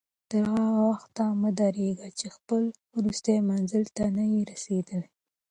تر هغه وخته مه درېږه چې خپل وروستي منزل ته نه یې رسېدلی.